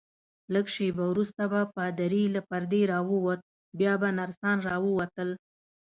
لږ شیبه وروسته به پادري له پردې راووت، بیا به نرسان راووتل.